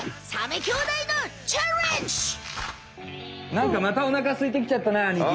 なんかまたおなかすいてきちゃったなあにき。